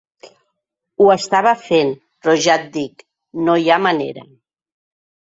Ho estava fent, però ja et dic, no hi ha manera.